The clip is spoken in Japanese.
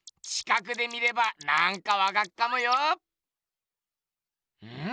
近くで見ればなんかわかっかもよ！